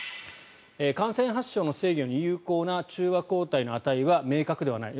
感染発症の制御に有効な中和抗体の値は明確ではない。